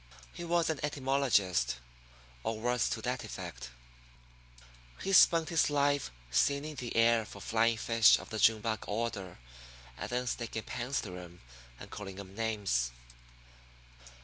He was an etymologist, or words to that effect. He spent his life seining the air for flying fish of the June bug order, and then sticking pins through 'em and calling 'em names.